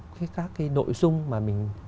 các cái nội dung mà mình